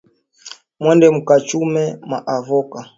Mwende muka chume ma avoka